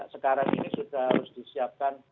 sekarang ini sudah harus disiapkan